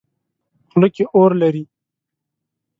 خوله کې اور لري.